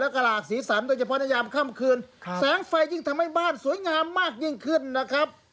แล้วก็หลากสีสันโดยเฉพาะในยามค่ำคืนแสงไฟยิ่งทำให้บ้านสวยงามมากยิ่งขึ้นนะครับ